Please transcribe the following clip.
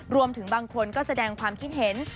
รวมถึงบางคนก็แสดงความคิดเห็น